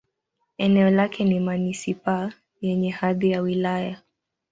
Eneo lake ni manisipaa yenye hadhi ya wilaya.